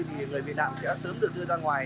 thì người bị nạn sẽ sớm được đưa ra ngoài